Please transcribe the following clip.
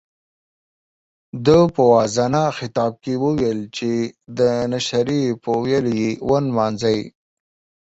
ده په واعظانه خطاب کې ویل چې د نشرې په ويلو یې ونمانځئ.